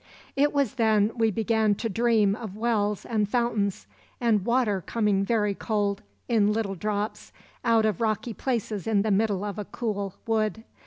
"It was then we began to dream of wells and fountains, and water coming very cold, in little drops, out of rocky places in the middle of a cool wood.